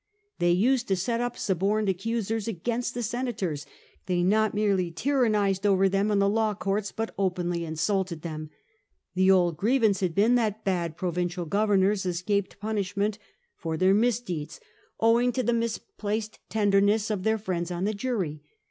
They used to set up suborned accusers against the senators ; they not merely tyrannised over them in the law courts, but openly insulted them." The old grievance had been that bad provincial governors escaped punishment for their misdeeds, owing to the misplaced tenderness of their friends on the jury.